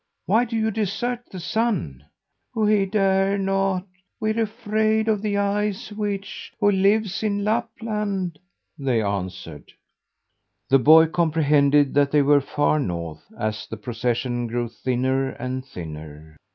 Why do you desert the Sun?" "We dare not! We're afraid of the Ice Witch, who lives in Lapland," they answered. The boy comprehended that they were far north, as the procession grew thinner and thinner.